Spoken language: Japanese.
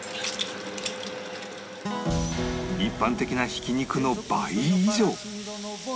一般的なひき肉の倍以上